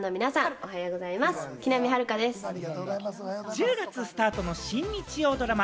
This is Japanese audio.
１０月スタートの新日曜ドラマ